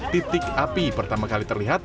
titik api pertama kali terlihat